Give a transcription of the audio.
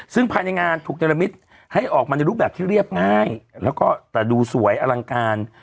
ซึ่งภายในงานถูกจริตให้ออกมาในรูปแบบที่เรียบง่ายแล้วก็แต่ดูสวยอลังการ